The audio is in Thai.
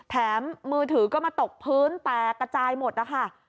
มือถือก็มาตกพื้นแตกกระจายหมดนะคะ